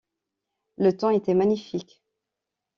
Le temps était magnifique.